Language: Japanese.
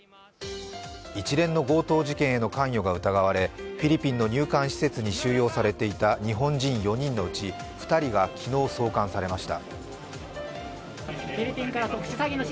一連の強盗事件への関与が疑われフィリピンの入管施設に収容されていた日本人４人のうち、２人が昨日送還されました。